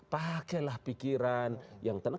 pakailah pikiran yang tenang